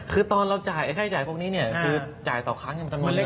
คือตอนเราจ่ายค่าใช้จ่ายพวกนี้คือจ่ายต่อครั้งมันกำหนดน้อย